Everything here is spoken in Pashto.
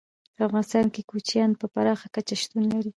په افغانستان کې کوچیان په پراخه کچه شتون لري.